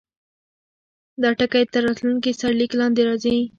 دا ټکی تر راتلونکي سرلیک لاندې راځي.